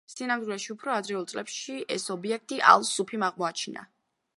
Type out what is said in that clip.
სინამდვილეში, უფრო ადრეულ წლებში ეს ობიექტი ალ-სუფიმ აღმოაჩინა.